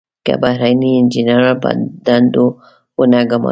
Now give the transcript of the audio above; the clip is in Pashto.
که بهرني انجنیران په دندو ونه ګمارم.